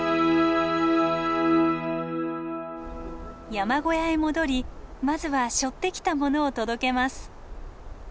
山小屋へ戻りまずは背負ってきたものを届けます。